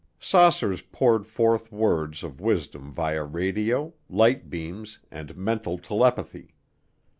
Saucers poured forth words of wisdom via radio, light beams and mental telepathy.